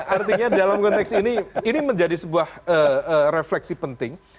artinya dalam konteks ini ini menjadi sebuah refleksi penting